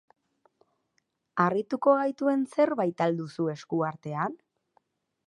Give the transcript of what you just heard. Harrituko gaituen zerbait al duzu esku artean?